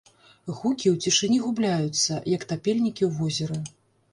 Гукі ў цішыні губляюцца, як тапельнікі ў возеры.